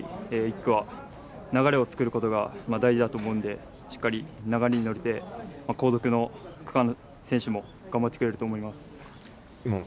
１区は流れを作ることが大事だと思うのでしっかり流れに乗って、後続の区間選手も頑張ってくれると思います。